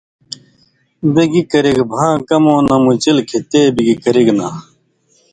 بے گی کرِگ بھاں کمؤں نہ مُچل کھیں تے بِگ کرِگ نا